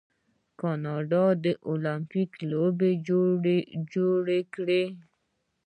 کاناډا المپیک لوبې جوړې کړي.